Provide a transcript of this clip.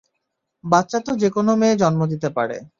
বাচ্চা তো যেকোনো মেয়ে জন্ম দিতে পারে।